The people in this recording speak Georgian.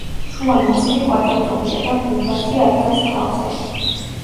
შუა ნაწილი კვადრატულია და გუბათი ადგას თავზე.